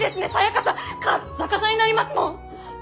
カッサカサになりますもん！